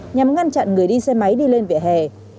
nhằm ngăn chặn người đi xe máy đi lên vỉa hè